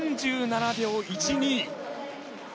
３７秒１２。